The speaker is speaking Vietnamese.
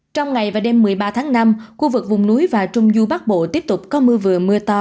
trong ngày và đêm một mươi ba tháng năm khu vực vùng núi và trung du bắc bộ tiếp tục có mưa vừa mưa to